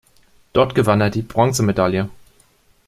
Dort gewann er die Bronzemedaille.